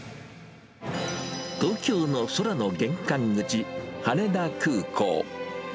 東京の空の玄関口、羽田空港。